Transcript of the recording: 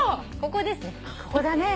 ここですね。